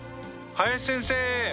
林先生！